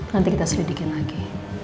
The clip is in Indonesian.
nanti kita selidikin lagi